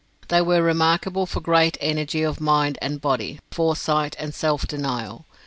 They were remarkable for great energy of mind and body, foresight, and self denial.